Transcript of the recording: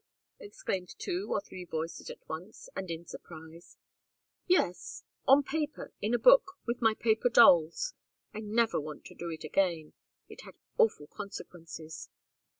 exclaimed two or three voices at once, and in surprise. "Yes on paper, in a book, with my paper dolls. I never want to do it again. It had awful consequences."